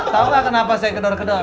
tau gak kenapa saya gedor gedor